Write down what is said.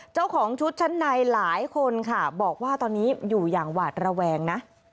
เจ้าของชุดชั้นในหลายคนค่ะบอกว่าตอนนี้อยู่อย่างหวาดระแวงนะ